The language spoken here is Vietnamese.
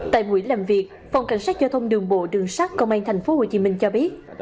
tại buổi làm việc phòng cảnh sát giao thông đường bộ đường sát công an tp hcm cho biết